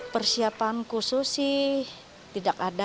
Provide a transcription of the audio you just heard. persiapan khusus sih tidak ada